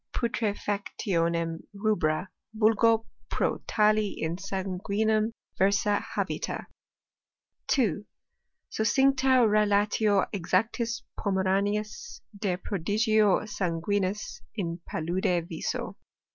265 putrtfactionem rubra, vulgo pro tali in sanguinem Tetfsahabita. 2. Succincta relatio exactis Pomeraniis de prodigio sanguinis in palude viso.